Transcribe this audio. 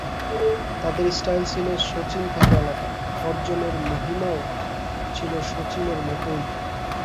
তাঁদের স্টাইল ছিল শচীন থেকে আলাদা, অর্জনের মহিমাও ছিল শচীনের মতোই।